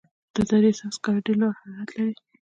د دره صوف سکاره ډیر لوړ حرارت لري.